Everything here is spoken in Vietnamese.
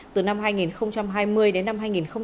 từ năm hai nghìn hai mươi đến năm hai nghìn hai mươi hai